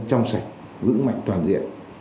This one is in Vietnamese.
trong sạch vững mạnh toàn diện